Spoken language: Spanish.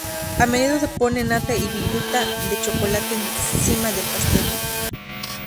A menudo se pone nata o viruta de chocolate encima del pastel.